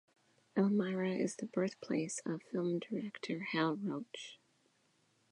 Elmira is the birthplace of film director Hal Roach.